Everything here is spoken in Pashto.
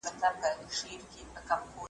چي شېبې مي د رندانو ویښولې ,